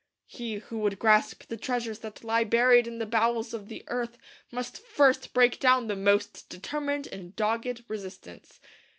He who would grasp the treasures that lie buried in the bowels of the earth must first break down the most determined and dogged resistance.